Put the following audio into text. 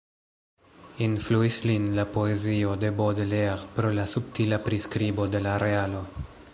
Influis lin la poezio de Baudelaire pro la subtila priskribo de la realo.